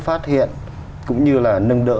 phát hiện cũng như là nâng đỡ